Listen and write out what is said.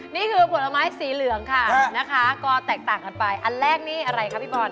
นี่คือผลไม้สีเหลืองค่ะนะคะก็แตกต่างกันไปอันแรกนี่อะไรคะพี่บอล